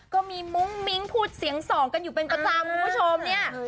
ก็มีมุ้งมิ้งพูดเสียงสองกันอยู่เป็นประจำคุณผู้ชมเนี่ย